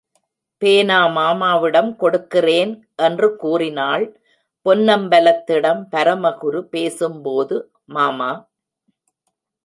போனை மாமாவிடம் கொடுக்கறேன், என்று கூறினாள் பொன்னம்பலத்திடம் பரமகுரு பேசும்போது, மாமா!